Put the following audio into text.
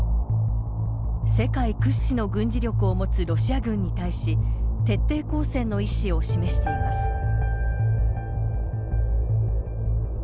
世界屈指の軍事力を持つロシア軍に対し徹底抗戦の意志を示しています。